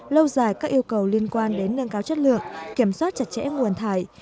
lâu dài các yêu cầu liên quan đến nâng cao chất lượng kiểm soát chặt chẽ nguồn thải